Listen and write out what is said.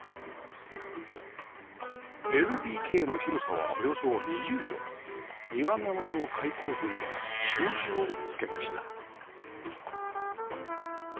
ＬＤＫ の広さはおよそ２０畳庭側の開口部には障子を付けました